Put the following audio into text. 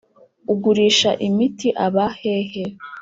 ugurisha imiti aba hehe?